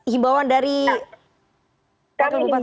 himbauan dari pak gelbupati